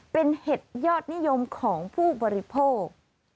เป็นเห็ดยอดนิยมของผู้บริโภค